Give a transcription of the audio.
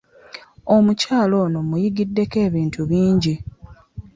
Omukyala ono muyigiddeko ebintu bingi.